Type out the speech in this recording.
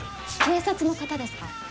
警察の方ですか？